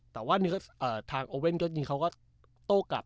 แต่ว่าทางโอเว่นก็ยิงเขาก็โต้กลับ